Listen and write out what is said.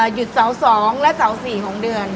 หยุดเสาร์๒และเสา๔ของเดือน